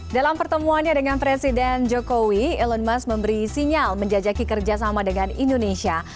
dalam pertemuannya dengan presiden jokowi elon musk memberi sinyal menjajaki kerjasama dengan indonesia